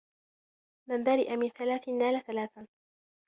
مَنْ بَرِئَ مِنْ ثَلَاثٍ نَالَ ثَلَاثًا